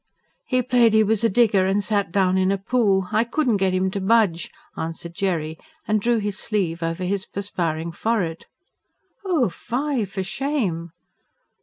"He played he was a digger and sat down in a pool I couldn't get him to budge," answered Jerry, and drew his sleeve over his perspiring forehead. "Oh fy, for shame!"